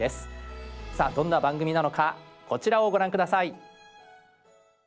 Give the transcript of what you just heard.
さあどんな番組なのかこちらをご覧下さい。